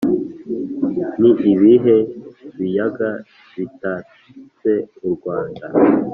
Ni ibihe biyaga bitatse u Rwanda?